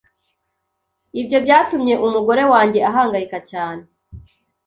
Ibyo byatumye umugore wanjye ahangayika cyane